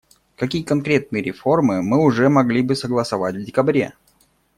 Какие конкретные реформы мы уже могли бы согласовать в декабре?